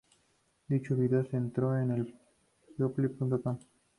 Dicho vídeo se estrenó en "People.com".